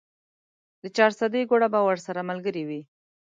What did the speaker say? د چارسدې ګوړه به ورسره ملګرې وه.